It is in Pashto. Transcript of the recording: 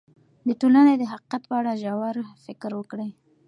د ټولنې د حقیقت په اړه ژور فکر وکړئ.